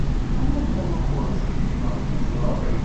Qqnen tamakart-nni ɣer ttejra.